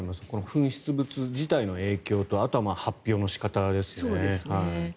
噴出物自体の影響とあとは発表の仕方ですね。